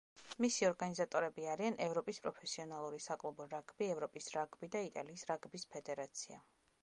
მისი ორგანიზატორები არიან: ევროპის პროფესიონალური საკლუბო რაგბი, ევროპის რაგბი და იტალიის რაგბის ფედერაცია.